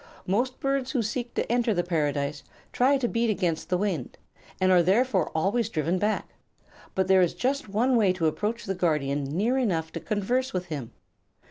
"Most birds who seek to enter the Paradise try to beat against the wind, and are therefore always driven back; but there is just one way to approach the Guardian near enough to converse with him.